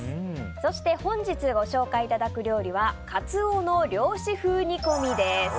そして本日ご紹介いただく料理はカツオの漁師風煮込みです。